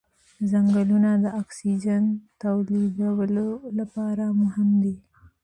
ځنګلونه د اکسیجن تولیدولو لپاره مهم دي